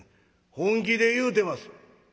本気で言うてます」。